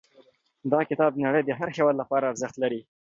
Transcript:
دا کتاب د نړۍ د هر هېواد لپاره ارزښت لري.